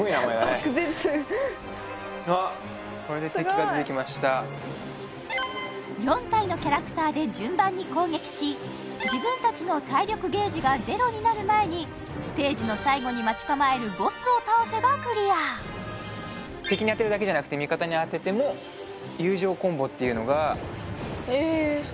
爆絶４体のキャラクターで順番に攻撃し自分たちの体力ゲージがゼロになる前にステージの最後に待ち構えるボスを倒せばクリア敵に当てるだけじゃなくて味方に当てても友情コンボっていうのがええー